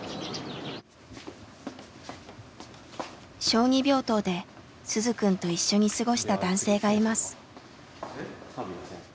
小児病棟で鈴くんと一緒に過ごした男性がいます。